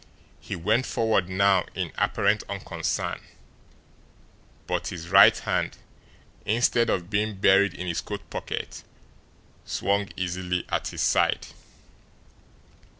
He went forward now in apparent unconcern; but his right hand, instead of being buried in his coat pocket, swung easily at his side.